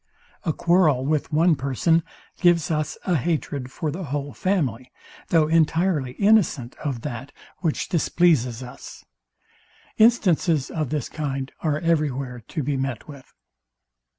A quarrel with one person gives us a hatred for the whole family, though entirely innocent of that, which displeases us. Instances of this kind are everywhere to be met with.